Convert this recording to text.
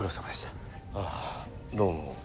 ああどうも。